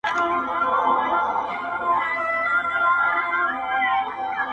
جهاني رامعلومېږي د شفق له خوني سترګو؛